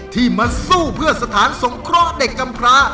ที่มาสู้เพื่อสถานสงเคราะห์เด็กกำพระ